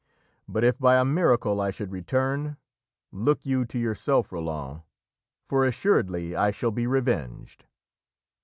"But if by a miracle I should return, look you to yourself, Roland, for assuredly I shall be revenged!"